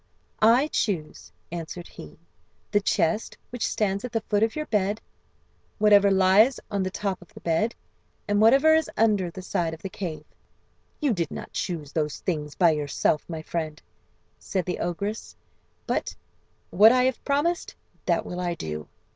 "I choose," answered he, "the chest which stands at the foot of your bed; whatever lies on the top of the bed, and whatever is under the side of the cave." "You did not choose those things by yourself, my friend," said the ogress; "but what I have promised, that will I do."